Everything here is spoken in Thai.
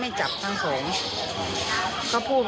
การรับความคิดเห็นของหมอปอค่ะ